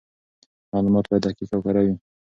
معلومات باید دقیق او کره وي.